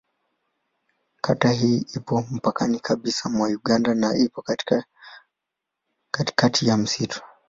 Kata hii ipo mpakani kabisa mwa Uganda na ipo katikati ya msitu.